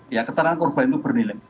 ya keterangan korban itu bernilai